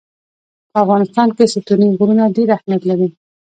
په افغانستان کې ستوني غرونه ډېر اهمیت لري.